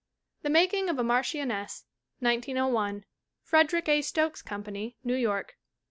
The Making of a Marchioness 1901. Frederick A. Stokes Company, New York.